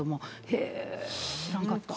へぇ、知らんかった。